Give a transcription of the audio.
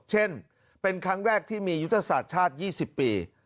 เช่นเป็นครั้งแรกที่มียุทธศาสตร์ชาติ๒๐ปี